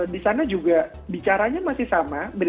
di sana juga bicaranya masih sama